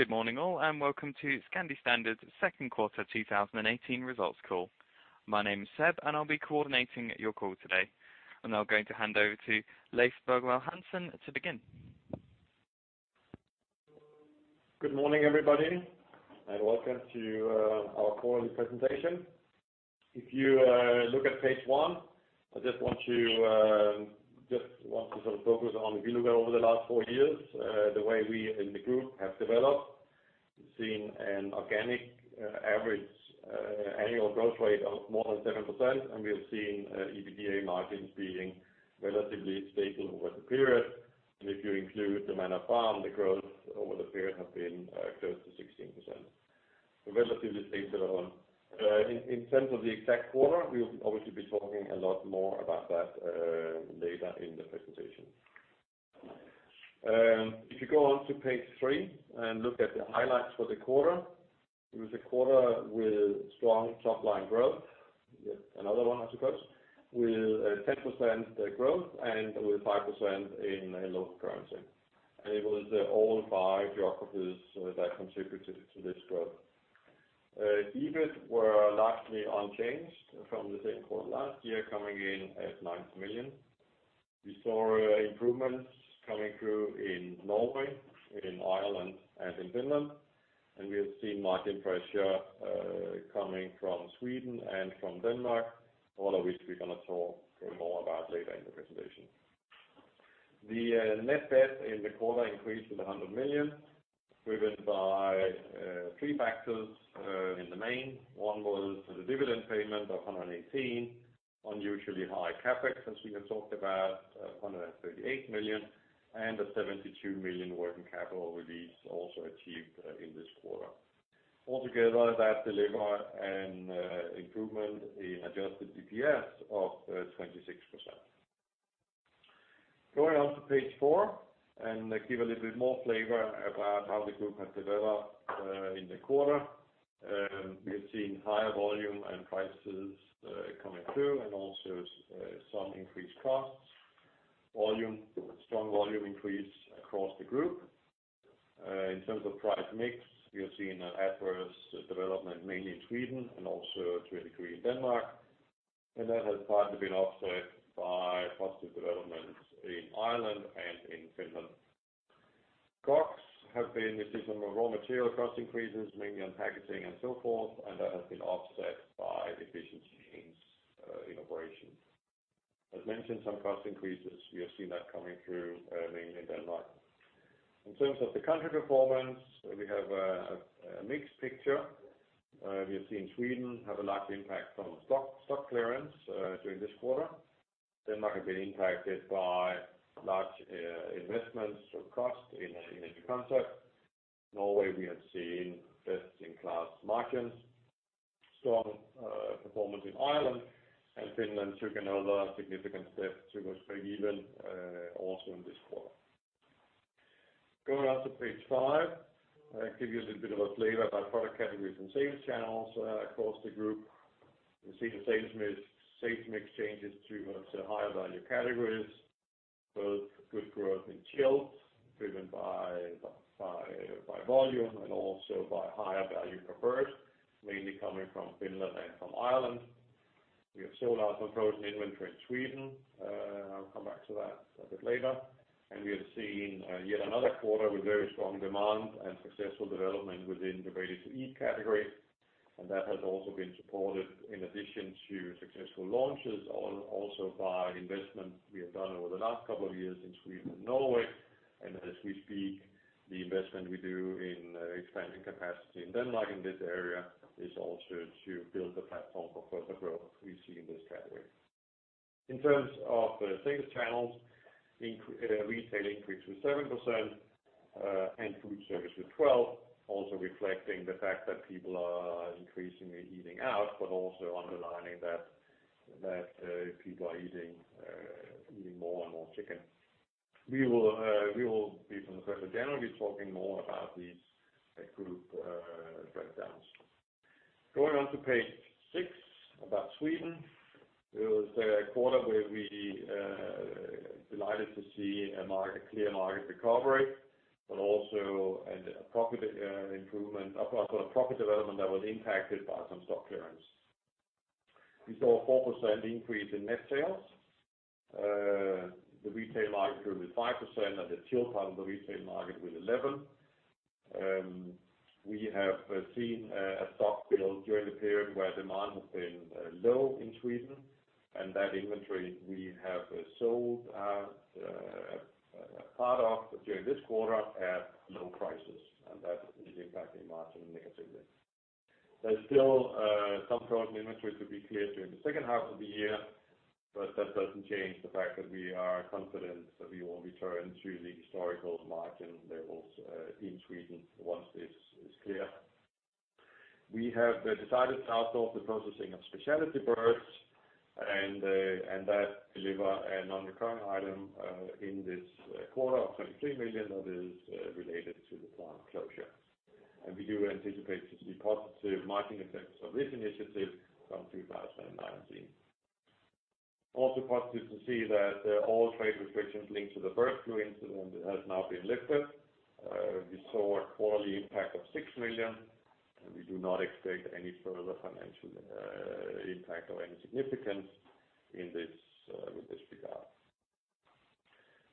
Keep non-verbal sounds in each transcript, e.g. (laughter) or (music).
Good morning all, and welcome to Scandi Standard second quarter 2018 results call. My name is Seb, and I'll be coordinating your call today. I'm now going to hand over to Leif Bergvall Hansen to begin. Good morning, everybody, and welcome to our call and presentation. If you look at page one, I just want to focus on (inaudible) over the last four years, the way we in the group have developed. We've seen an organic average annual growth rate of more than 7%, and we have seen EBITDA margins being relatively stable over the period. If you include the Manor Farm, the growth over the period has been close to 16%. Relatively stable. In terms of the exact quarter, we'll obviously be talking a lot more about that later in the presentation. If you go on to page three and look at the highlights for the quarter, it was a quarter with strong top-line growth. Yet another one, I suppose. With 10% growth, and with 5% in local currency. It was all five geographies that contributed to this growth. EBIT were largely unchanged from the same quarter last year, coming in at 9 million. We saw improvements coming through in Norway, in Ireland, and in Finland. We have seen margin pressure coming from Sweden and from Denmark, all of which we're going to talk more about later in the presentation. The net debt in the quarter increased to 100 million, driven by three factors in the main. One was the dividend payment of 118, unusually high CapEx, as we have talked about, 138 million, and a 72 million working capital release also achieved in this quarter. Altogether, that delivered an improvement in adjusted EPS of 26%. Going on to page four and give a little bit more flavor about how the group has developed in the quarter. We have seen higher volume and prices coming through, and also some increased costs. Strong volume increase across the group. In terms of price mix, we have seen an adverse development mainly in Sweden and also to a degree in Denmark, and that has partly been offset by positive developments in Ireland and in Finland. COGS, we've seen some raw material cost increases, mainly on packaging and so forth, and that has been offset by efficiency gains in operations. As mentioned, some cost increases. You have seen that coming through mainly in Denmark. In terms of the country performance, we have a mixed picture. We have seen Sweden have a large impact from stock clearance during this quarter. Denmark has been impacted by large investments, so cost in contract. Norway, we have seen best-in-class margins. Strong performance in Ireland, and Finland took another significant step towards breakeven also in this quarter. Going on to page five, I'll give you a little bit of a flavor about product categories and sales channels across the group. You see the sales mix changes towards higher-value categories. Both good growth in chilled, driven by volume and also by higher value per bird, mainly coming from Finland and from Ireland. We have sold out some frozen inventory in Sweden. I'll come back to that a bit later. We have seen yet another quarter with very strong demand and successful development within the Ready-to-Eat category. That has also been supported, in addition to successful launches, also by investment we have done over the last couple of years in Sweden and Norway. As we speak, the investment we do in expanding capacity in Denmark in this area is also to build the platform for further growth we see in this category. In terms of sales channels, retail increased with 7% and foodservice with 12%, also reflecting the fact that people are increasingly eating out, but also underlining that people are eating more and more chicken. We will, from the president, generally be talking more about these group breakdowns. Going on to page six, about Sweden. It was a quarter where we delighted to see a clear market recovery, but also a profit development that was impacted by some stock clearance. We saw a 4% increase in net sales. The retail market grew with 5% and the chilled part of the retail market with 11%. We have seen a stock build during the period where demand has been low in Sweden, that inventory we have sold a part of during this quarter at low prices, and that is impacting margin negatively. There's still some frozen inventory to be cleared during the second half of the year, but that doesn't change the fact that we are confident that we will return to the historical margin levels in Sweden once this is clear. We have decided to outsource the processing of specialty birds, that deliver a non-recurring item in this quarter of 23 million that is related to the plant closure. We do anticipate to see positive margin effects of this initiative from 2019. Also positive to see that all trade restrictions linked to the bird flu incident have now been lifted. We saw a quarterly impact of 6 million, and we do not expect any further financial impact of any significance with this regard.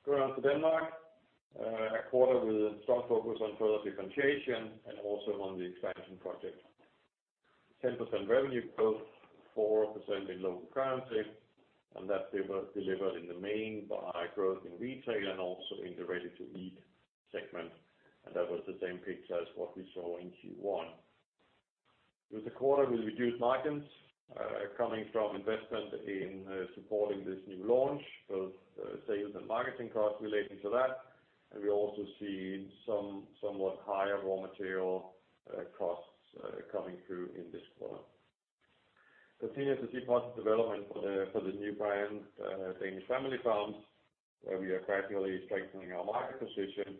Going on to Denmark. A quarter with a strong focus on further differentiation and also on the expansion project. 10% revenue growth, 4% in local currency, that was delivered in the main by growth in retail and also in the Ready-to-Eat segment. That was the same picture as what we saw in Q1. It was a quarter with reduced margins, coming from investment in supporting this new launch, both sales and marketing costs relating to that. We also see somewhat higher raw material costs coming through in this quarter. Continue to see positive development for the new brand, Danish Family Farms, where we are gradually strengthening our market position,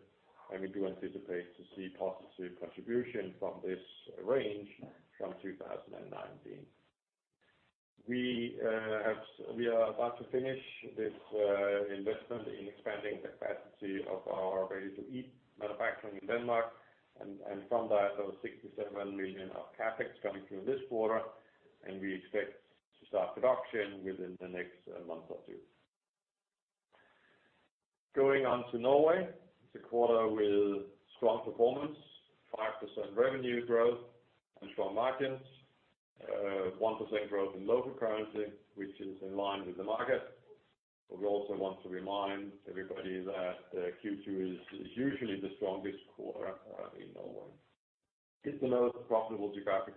and we do anticipate to see positive contribution from this range from 2019. We are about to finish this investment in expanding capacity of our Ready-to-Eat manufacturing in Denmark. From that, there was 67 million of CapEx coming through this quarter, and we expect to start production within the next month or two. Going on to Norway. It's a quarter with strong performance, 5% revenue growth and strong margins, 1% growth in local currency, which is in line with the market. We also want to remind everybody that Q2 is usually the strongest quarter in Norway. It's the most profitable geographic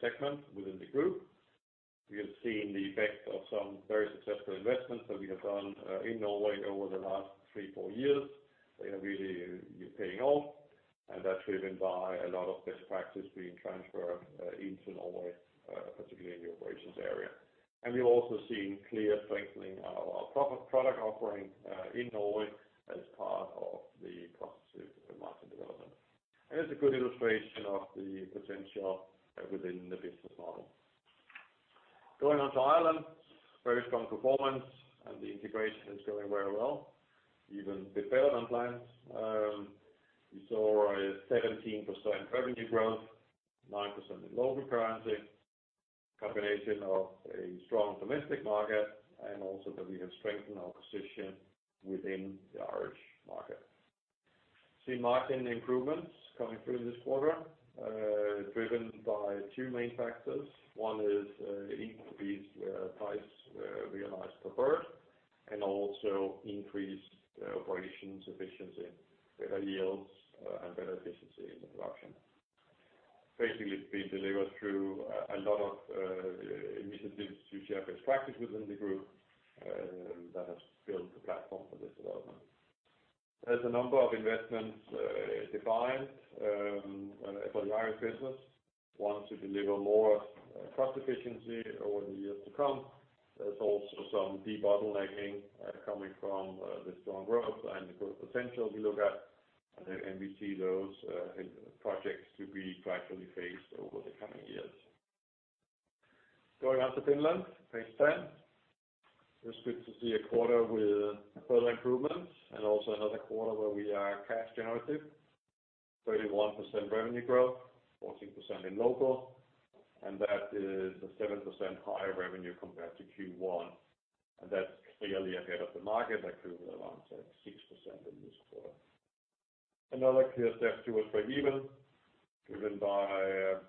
segment within the group. We have seen the effect of some very successful investments that we have done in Norway over the last three, four years. They are really paying off, and that's driven by a lot of best practice being transferred into Norway, particularly in the operations area. We've also seen clear strengthening of our product offering in Norway as part of the positive market development. It's a good illustration of the potential within the business model. Going on to Ireland. Very strong performance, and the integration is going very well. Even better than planned. We saw a 17% revenue growth, 9% in local currency. Combination of a strong domestic market, and also that we have strengthened our position within the Irish market. See margin improvements coming through this quarter, driven by two main factors. One is increased price realized per bird, and also increased operations efficiency, better yields, and better efficiency in the production. Basically, it's been delivered through a lot of initiatives to share best practice within the group that has built the platform for this development. There's a number of investments defined for the Irish business. One, to deliver more cost efficiency over the years to come. There's also some debottlenecking coming from the strong growth and the growth potential we look at, and we see those projects to be gradually phased over the coming years. Going on to Finland, page 10. It was good to see a quarter with further improvements and also another quarter where we are cash generative. 31% revenue growth, 14% in local, and that is a 7% higher revenue compared to Q1, and that's clearly ahead of the market that grew around 6% in this quarter. Another clear step towards break-even, driven by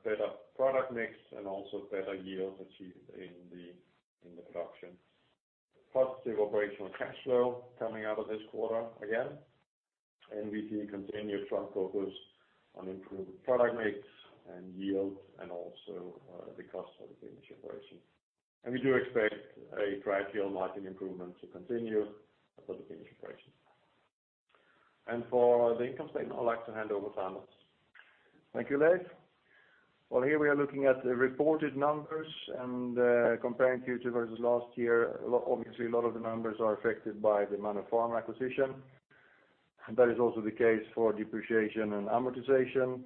better product mix and also better yields achieved in the production. Positive operational cash flow coming out of this quarter again, and we see continued strong focus on improving product mix and yield and also the cost of the Finnish operation. We do expect a gradual margin improvement to continue for the Finnish operation. For the income statement, I'd like to hand over to Anders. Thank you, Leif. Here we are looking at the reported numbers and comparing Q2 versus last year. Obviously, a lot of the numbers are affected by the Manor Farm acquisition. That is also the case for depreciation and amortization.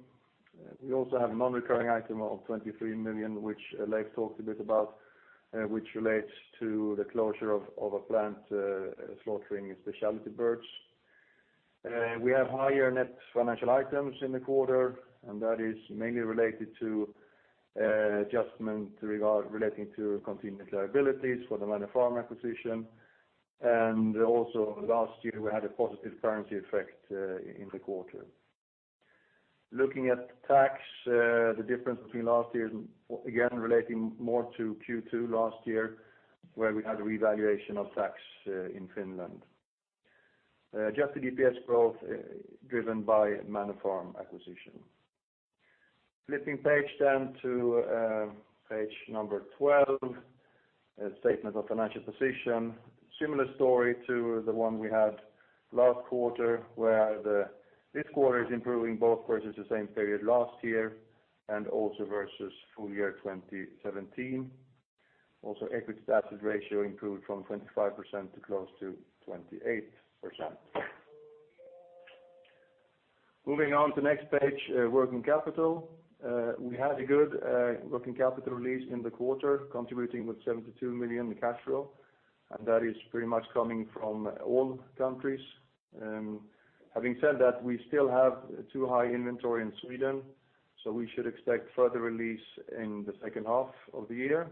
We also have a non-recurring item of 23 million, which Leif talked a bit about, which relates to the closure of a plant slaughtering specialty birds. We have higher net financial items in the quarter, and that is mainly related to adjustment relating to contingent liabilities for the Manor Farm acquisition. Last year, we had a positive currency effect in the quarter. Looking at tax, the difference between last year, again, relating more to Q2 last year, where we had a revaluation of tax in Finland. Adjusted EPS growth driven by Manor Farm acquisition. Flipping page to page number 12, statement of financial position. Similar story to the one we had last quarter, where this quarter is improving both versus the same period last year and also versus full year 2017. Also, equity to asset ratio improved from 25% to close to 28%. Moving on to next page, working capital. We had a good working capital release in the quarter, contributing with 72 million in cash flow. That is pretty much coming from all countries. Having said that, we still have too high inventory in Sweden. We should expect further release in the second half of the year.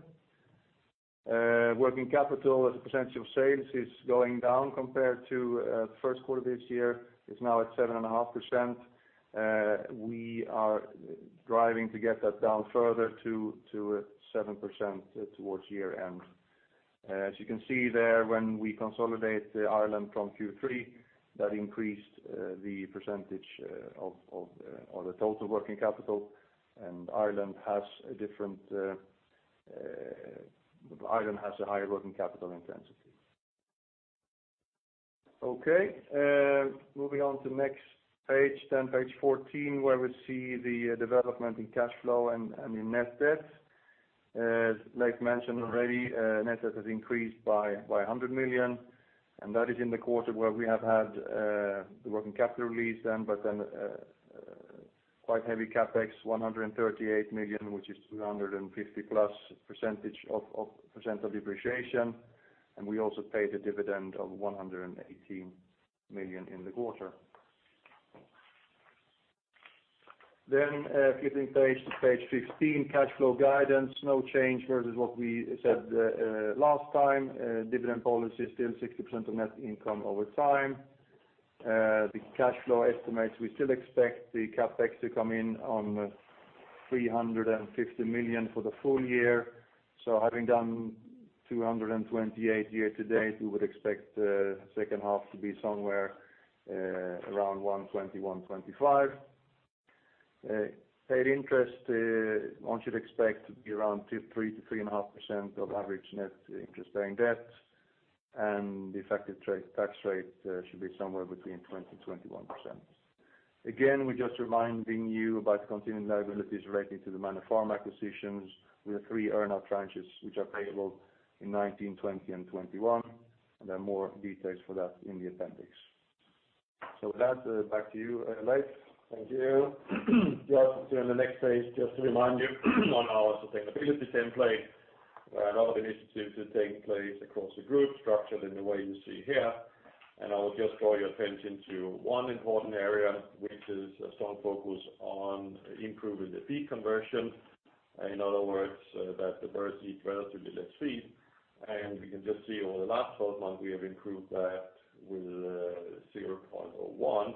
Working capital as a percentage of sales is going down compared to the first quarter of this year. It is now at 7.5%. We are driving to get that down further to 7% towards year-end. As you can see there, when we consolidate Ireland from Q3, that increased the percentage of the total working capital. Ireland has a higher working capital intensity. Okay. Moving on to next page 14, where we see the development in cash flow and in net debt. As Leif mentioned already, net debt has increased by 100 million. That is in the quarter where we have had the working capital release. Quite heavy CapEx, 138 million, which is 250-plus percentage of depreciation. We also paid a dividend of 118 million in the quarter. Flipping page to page 15, cash flow guidance, no change versus what we said last time. Dividend policy, still 60% of net income over time. The cash flow estimates, we still expect the CapEx to come in on 350 million for the full year. Having done 228 million year to date, we would expect the second half to be somewhere around 120 million-125 million. Paid interest, one should expect to be around 3%-3.5% of average net interest-bearing debt. The effective tax rate should be somewhere between 20%-21%. Again, we are just reminding you about the contingent liabilities relating to the Manor Farm acquisitions with the three earn-out tranches, which are payable in 2019, 2020, and 2021. There are more details for that in the appendix. With that, back to you, Leif. Thank you. Just turn the next page, just to remind you on our sustainability template, a lot of initiatives are taking place across the group, structured in the way you see here. I will just draw your attention to one important area, which is a strong focus on improving the feed conversion. In other words, that the birds eat relatively less feed. We can just see over the last 12 months, we have improved that with 0.01,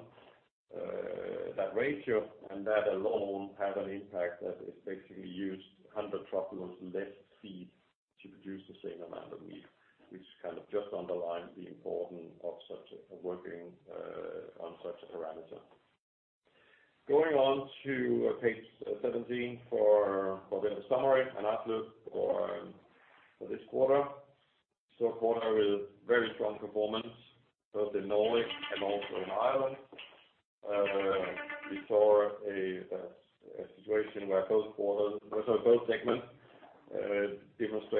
that ratio. That alone had an impact that it basically used 100 truckloads less feed to produce the same amount of meat, which kind of just underlines the importance of working on such a parameter. Going on to page 17 for the summary and outlook for this quarter. Quarter with very strong performance, both in Norway and also in Ireland. We saw a situation where both segments demonstrate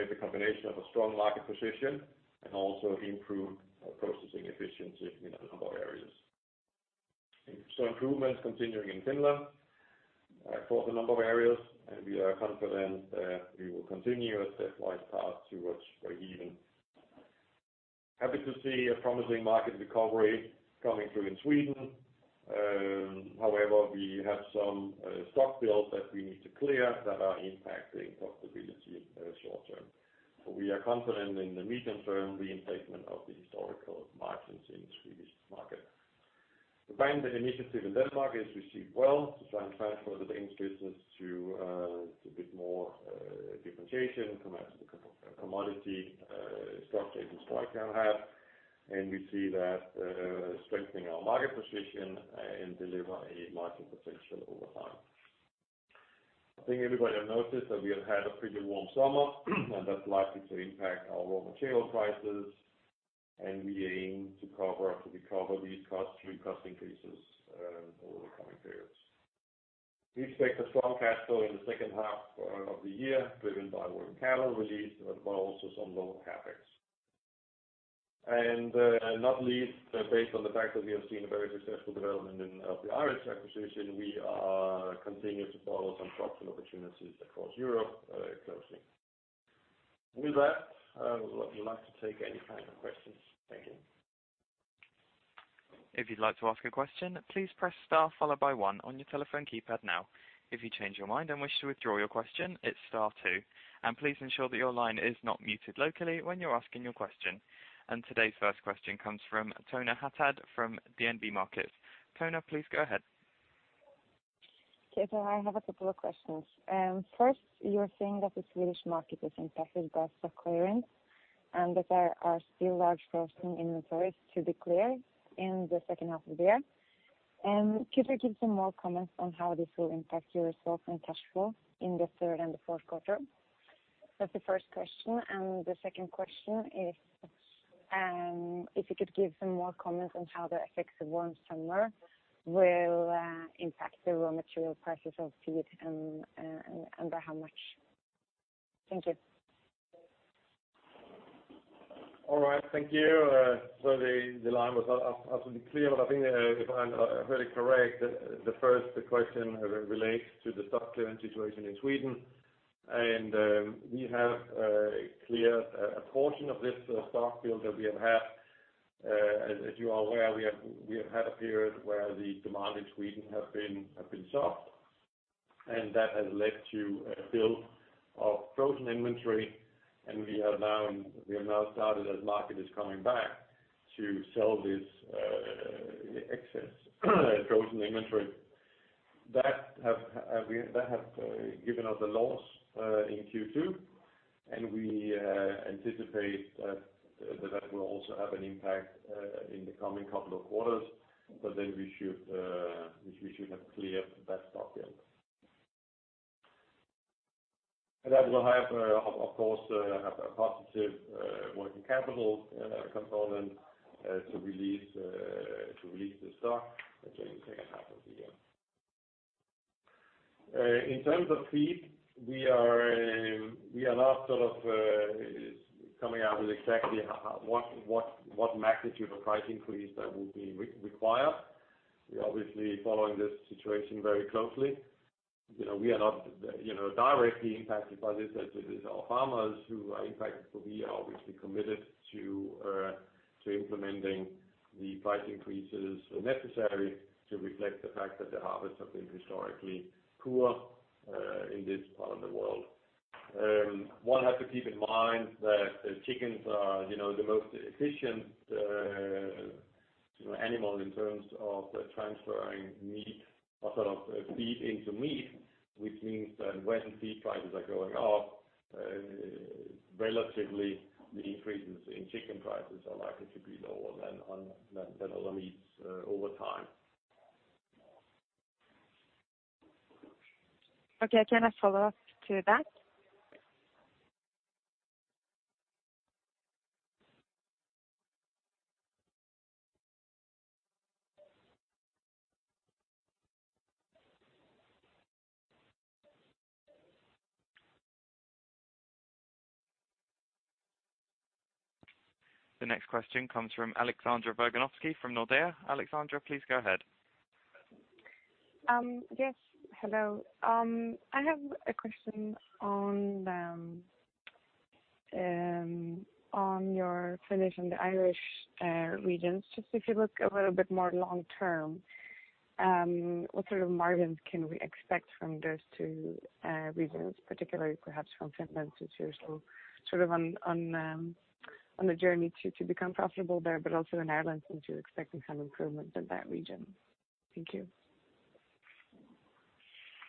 the combination of a strong market position and also improved processing efficiency in a number of areas. Interesting improvements continuing in Finland across a number of areas. We are confident that we will continue a stepwise path towards breakeven. Happy to see a promising market recovery coming through in Sweden. However, we have some stock builds that we need to clear that are impacting profitability in the short term. We are confident in the medium term, the re-attainment of the historical margins in the Swedish market. The brand new initiative in Denmark is received well to try and transfer the Danish business to a bit more differentiation compared to the commodity structure it historically had. We see that strengthening our market position and deliver a margin potential over time. I think everybody have noticed that we have had a pretty warm summer. That's likely to impact our raw material prices, and we aim to cover these costs through cost increases over the coming periods. We expect a strong cash flow in the second half of the year, driven by working capital release, by also some lower CapEx. Not least, based on the fact that we have seen a very successful development of the Irish acquisition, we are continuing to follow some profitable opportunities across Europe closely. With that, we're lucky to take any kind of questions. Thank you. If you'd like to ask a question, please press star followed by one on your telephone keypad now. If you change your mind and wish to withdraw your question, it's star two. Please ensure that your line is not muted locally when you're asking your question. Today's first question comes from [Knut-Ivar Bakken] from DNB Markets. [Tona] please go ahead. Okay. I have a couple of questions. First, you were saying that the Swedish market is impacted by stock clearance and that there are still large frozen inventories to be cleared in the second half of the year. Could you give some more comments on how this will impact your result and cash flow in the third and the fourth quarter? That's the first question. The second question is, if you could give some more comments on how the effects of warm summer will impact the raw material prices of feed and by how much. Thank you. All right. Thank you. Sorry, the line was absolutely clear. I think if I heard it correct, the first question relates to the stock clearing situation in Sweden. We have cleared a portion of this stock build that we have had. As you are aware, we have had a period where the demand in Sweden has been soft. That has led to a build of frozen inventory. We have now started, as market is coming back, to sell this excess frozen inventory. That has given us a loss in Q2. We anticipate that will also have an impact in the coming couple of quarters. We should have cleared that stock build. That will, of course, have a positive working capital component to release this stock during the second half of the year. In terms of feed, we are not sort of coming out with exactly what magnitude of price increase that will be required. We're obviously following this situation very closely. We are not directly impacted by this as it is our farmers who are impacted. We are obviously committed to implementing the price increases necessary to reflect the fact that the harvest has been historically poor in this part of the world. One has to keep in mind that chickens are the most efficient animal in terms of transferring meat or sort of feed into meat, which means that when feed prices are going up, relatively, the increases in chicken prices are likely to be lower than other meats over time. Okay. Can I follow up to that? The next question comes from Aleksandra Wojtylak from Nordea. Aleksandra, please go ahead. Yes. Hello. I have a question on your Finnish and Irish regions. If you look a little bit more long term, what sort of margins can we expect from those two regions, particularly perhaps from Finland, since you're still sort of on a journey to become profitable there, but also in Ireland, since you're expecting some improvement in that region? Thank you.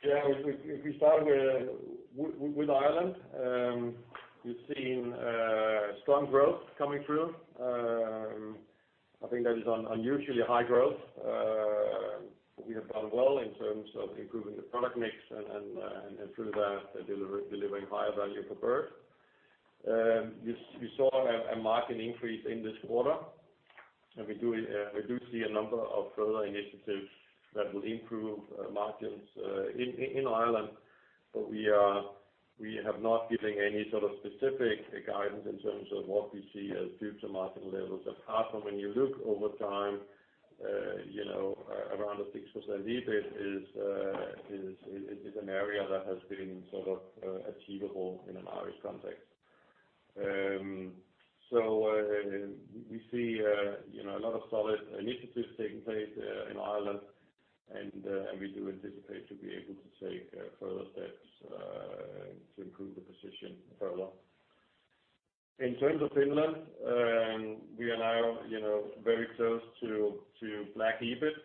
Yeah. If we start with Ireland, we've seen strong growth coming through. I think that is unusually high growth. We have done well in terms of improving the product mix and through that, delivering higher value per bird. You saw a margin increase in this quarter. We do see a number of further initiatives that will improve margins in Ireland. We have not given any sort of specific guidance in terms of what we see as future margin levels apart from when you look over time, around a 6% EBIT is an area that has been sort of achievable in an Irish context. We see a lot of solid initiatives taking place in Ireland. We do anticipate to be able to take further steps to improve the position further. In terms of Finland, we are now very close to black EBIT.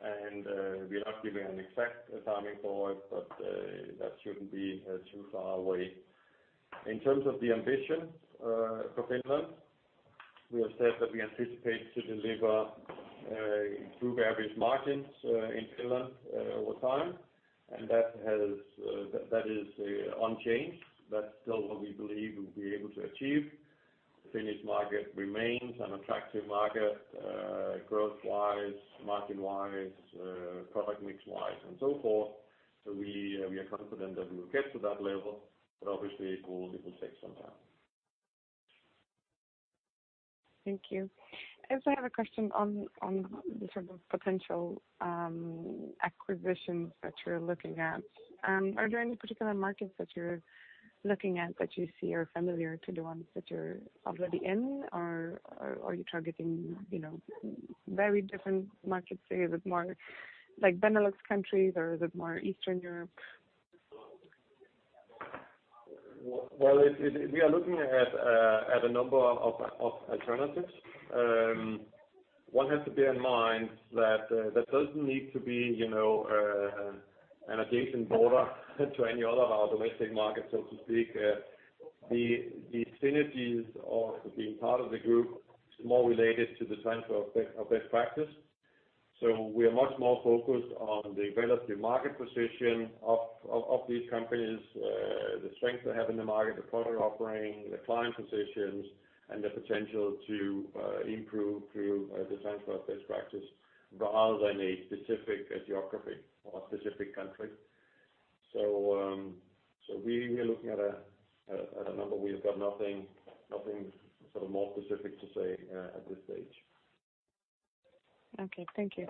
We're not giving an exact timing forward, but that shouldn't be too far away. In terms of the ambition for Finland, we have said that we anticipate to improve average margins in Finland over time. That is unchanged. That's still what we believe we'll be able to achieve. The Finnish market remains an attractive market, growth-wise, margin-wise, product mix-wise, and so forth. We are confident that we will get to that level, but obviously it will take some time. Thank you. I also have a question on the sort of potential acquisitions that you're looking at. Are there any particular markets that you're looking at that you see are familiar to the ones that you're already in, or are you targeting very different markets? Say, is it more like Benelux countries, or is it more Eastern Europe? We are looking at a number of alternatives. One has to bear in mind that there doesn't need to be an adjacent border to any other of our domestic markets, so to speak. The synergies of being part of the group is more related to the transfer of best practice. We are much more focused on the relative market position of these companies, the strength they have in the market, the product offering, the client positions, and the potential to improve through the transfer of best practice rather than a specific geography or a specific country. We are looking at a number. We have got nothing more specific to say at this stage. Okay. Thank you.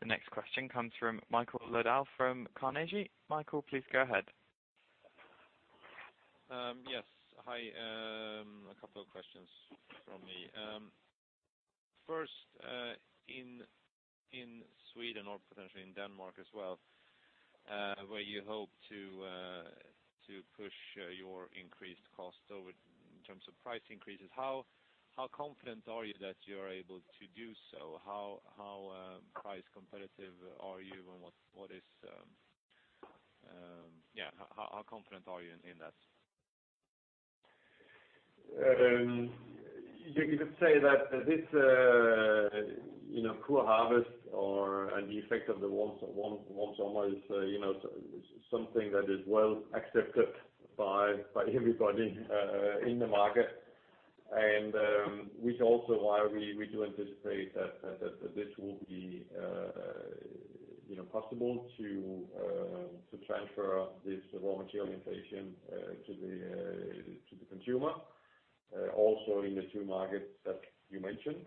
The next question comes from Michael Lodahl from Carnegie. Michael, please go ahead. Yes. Hi. A couple of questions from me. First, in Sweden or potentially in Denmark as well, where you hope to push your increased cost over in terms of price increases, how confident are you that you're able to do so? How price competitive are you and how confident are you in that? You could say that this poor harvest or/and the effect of the warm summer is something that is well accepted by everybody in the market. Which also why we do anticipate that this will be possible to transfer this raw material inflation to the consumer, also in the two markets that you mentioned,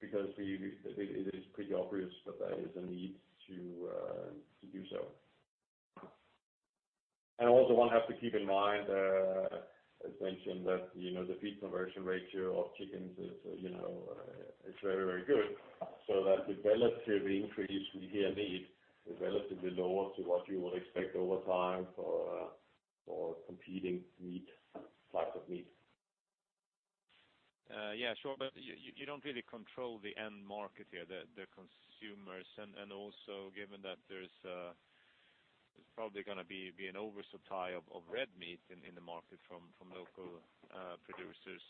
because it is pretty obvious that there is a need to do so. Also, one has to keep in mind, as mentioned, that the feed conversion ratio of chickens is very good, so that the relative increase we here need is relatively lower to what you would expect over time for competing types of meat. Yeah, sure. You don't really control the end market here, the consumers. Also given that there's probably going to be an oversupply of red meat in the market from local producers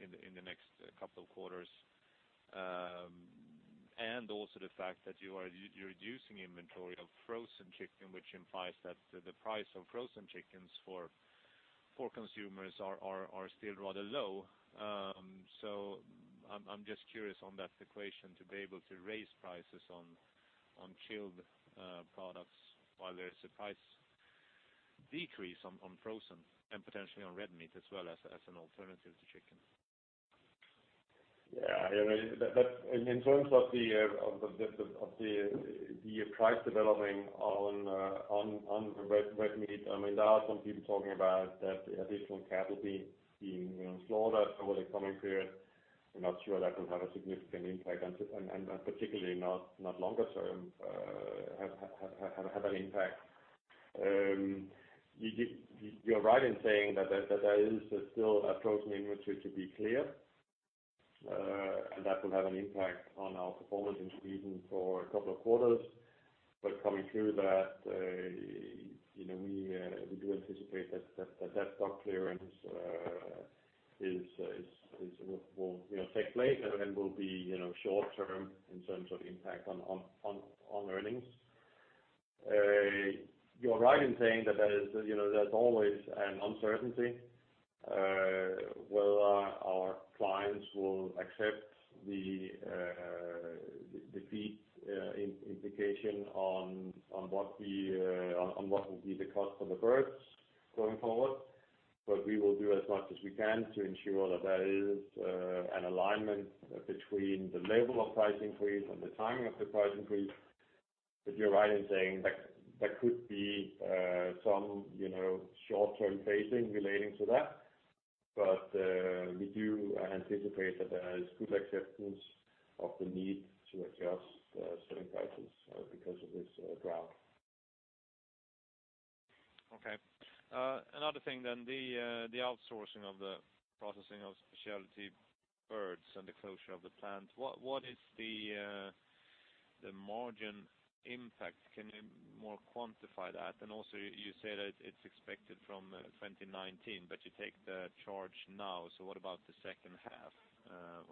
in the next couple of quarters. Also the fact that you're reducing inventory of frozen chicken, which implies that the price of frozen chickens for consumers are still rather low. I'm just curious on that equation, to be able to raise prices on chilled products while there is a price decrease on frozen and potentially on red meat as well as an alternative to chicken. Yeah. In terms of the price developing on the red meat, there are some people talking about that additional cattle being slaughtered over the coming period. We're not sure that will have a significant impact and particularly not longer term have an impact. You're right in saying that there is still a frozen inventory to be clear, and that will have an impact on our performance in Sweden for a couple of quarters. Coming through that, we do anticipate that stock clearance will take place and will be short term in terms of impact on earnings. You're right in saying that there's always an uncertainty, whether our clients will accept the feed implication on what will be the cost for the birds going forward. We will do as much as we can to ensure that there is an alignment between the level of price increase and the timing of the price increase. You're right in saying there could be some short-term phasing relating to that. We do anticipate that there is good acceptance of the need to adjust certain prices because of this drought. Okay. Another thing, the outsourcing of the processing of specialty birds and the closure of the plant. What is the margin impact? Can you more quantify that? Also you say that it's expected from 2019, you take the charge now, what about the second half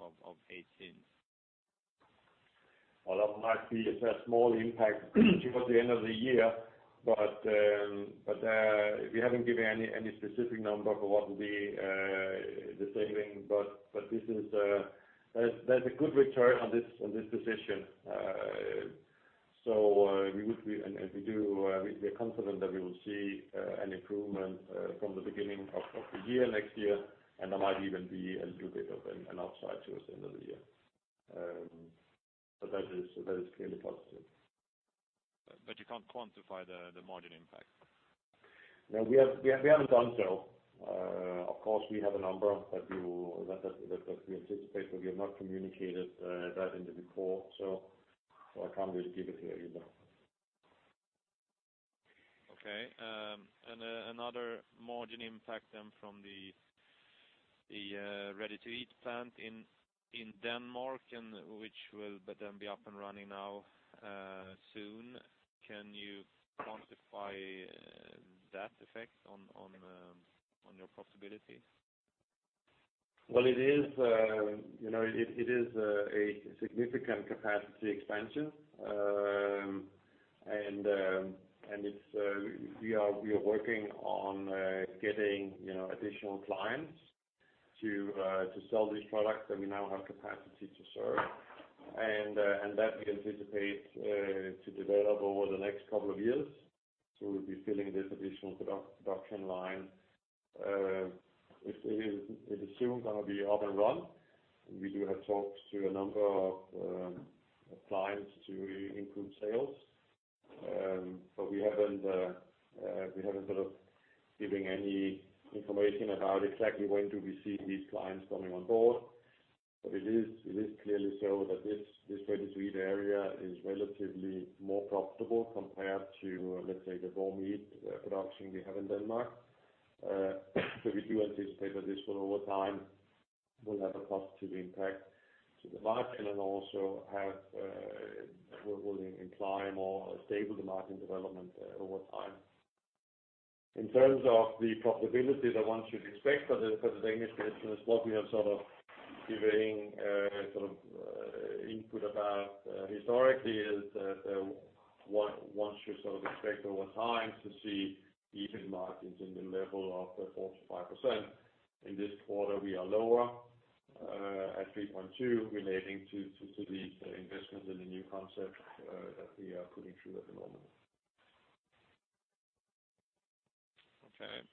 of 2018? Well, that might be a small impact towards the end of the year, we haven't given any specific number for what will be the saving. There's a good return on this position. We are confident that we will see an improvement from the beginning of the year next year, there might even be a little bit of an upside towards the end of the year. That is clearly positive. You can't quantify the margin impact? No, we haven't done so. Of course, we have a number that we anticipate, we have not communicated that in the report, I can't really give it to you either. Okay. Another margin impact then from the Ready-to-Eat plant in Denmark, and which will then be up and running now soon. Can you quantify that effect on your profitability? Well, it is a significant capacity expansion. We are working on getting additional clients to sell these products that we now have capacity to serve. That we anticipate to develop over the next couple of years. We'll be filling this additional production line. It is soon going to be up and running. We do have talks to a number of clients to include sales. We haven't given any information about exactly when do we see these clients coming on board. It is clearly so that this Ready-to-Eat area is relatively more profitable compared to, let's say, the raw meat production we have in Denmark. We do anticipate that this one, over time, will have a positive impact to the margin and also will imply more stable margin development over time. In terms of the profitability that one should expect for the Danish business, what we are giving input about historically is that one should expect over time to see EBIT margins in the level of 4%-5%. In this quarter, we are lower at 3.2% relating to the investment in the new concept that we are putting through at the moment. Okay.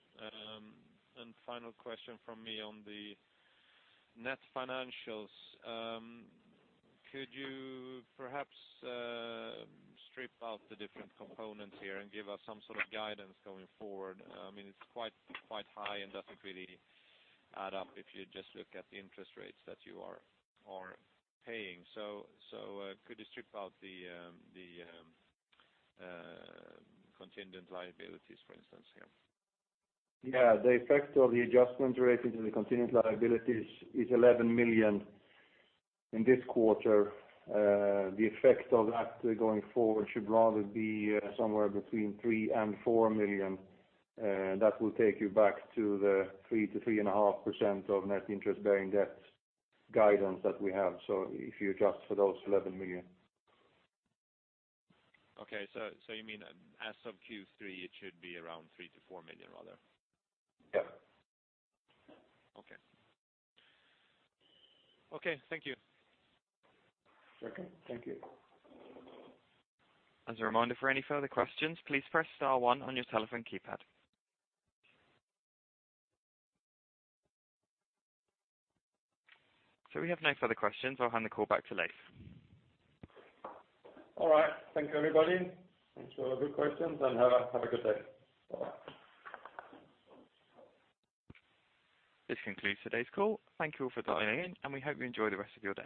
Final question from me on the net financials. Could you perhaps strip out the different components here and give us some sort of guidance going forward? It's quite high and doesn't really add up if you just look at the interest rates that you are paying. Could you strip out the contingent liabilities, for instance, here? Yeah. The effect of the adjustment relating to the contingent liabilities is 11 million in this quarter. The effect of that going forward should rather be somewhere between 3 million and 4 million. That will take you back to the 3%-3.5% of net interest-bearing debt guidance that we have. If you adjust for those 11 million. Okay. You mean as of Q3, it should be around 3 million-4 million, rather? Yeah. Okay. Thank you. Okay. Thank you. As a reminder, for any further questions, please press star one on your telephone keypad. We have no further questions. I'll hand the call back to Leif. All right. Thank you, everybody. Thanks for all the good questions, and have a good day. Bye-bye. This concludes today's call. Thank you all for dialing in, and we hope you enjoy the rest of your day.